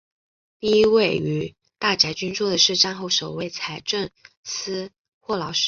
第一位于大宅居住的是战后首任财政司霍劳士。